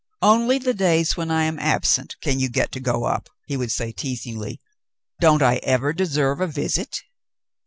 "Only the days when I am absent can you *get to go up'.^^" he would say teasingly. "Don't I ever deserve a visit